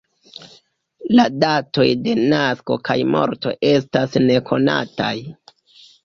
La datoj de nasko kaj morto estas nekonataj.